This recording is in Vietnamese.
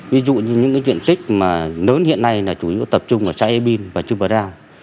ví dụ như những cái diện tích mà lớn hiện nay là chủ yếu tập trung ở xã ebin và chư bờ đao